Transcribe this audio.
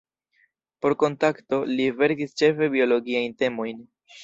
Por "Kontakto" li verkis ĉefe biologiajn temojn.